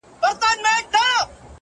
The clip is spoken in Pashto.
o جادوگري جادوگر دي اموخته کړم؛